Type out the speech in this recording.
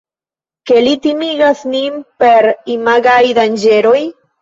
Ke li timigas nin per imagaj danĝeroj?